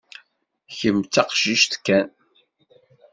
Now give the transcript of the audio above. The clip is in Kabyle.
Kemm d taqcict kan.